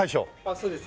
そうです。